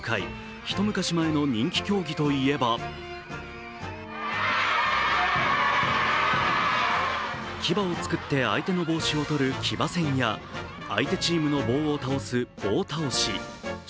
一昔前の人気競技といえば、騎馬を作って相手の帽子を取る騎馬戦や、相手チームの棒を倒す棒倒し。